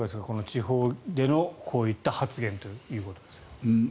地方でのこういった発言ということです。